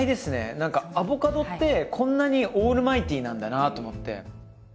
何かアボカドってこんなにオールマイティーなんだなと思って。